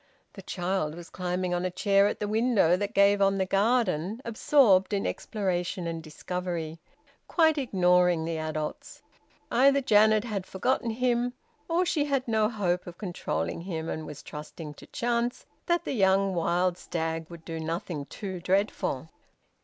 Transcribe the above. The child was climbing on a chair at the window that gave on the garden, absorbed in exploration and discovery, quite ignoring the adults. Either Janet had forgotten him, or she had no hope of controlling him and was trusting to chance that the young wild stag would do nothing too dreadful.